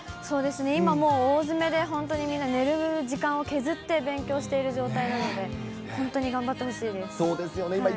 そうですね、今もう大詰めで、本当にみんな、寝る時間を削って、勉強している状態なので、本当にそうですよね。